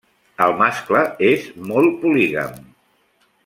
El mascle és molt polígam.